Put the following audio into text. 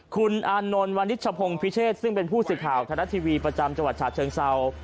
คุณอานนท์วันนิชชะพงพิเศษซึ่งเป็นผู้สิทธิ์ข่าวธนทรัพย์ทีวีประจำจังหวัดชาติเชิงเซา